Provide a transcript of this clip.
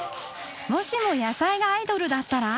もしも野菜がアイドルだったら。